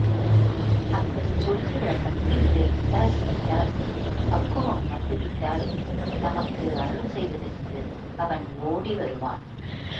அப்படிச் சொல்கிற பக்திநிலை உண்டாகிவிட்டால், பக்குவம் வந்துவிட்டால், நமக்கு அருள் செய்வதற்கு அவன் ஓடி வருவான்.